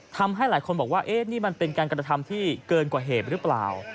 ทำให้หลายคนบอกว่านี่มันเป็นการกระทำที่เกินกว่าเหตุหรือเปล่า